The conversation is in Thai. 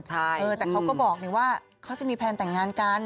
แต่เขาก็บอกว่าเขาจะมีแพลนแต่งงานกัน